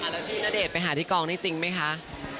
แล้วพี่ณเดชน์ไปหาที่กองนี่จริงไหมคะ